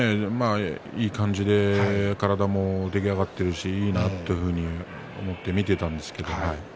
いい感じで体も出来上がっているしいいなと思って見ていたんですけどね。